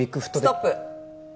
ストップ。